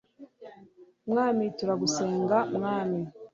mwami turagusenga, mwami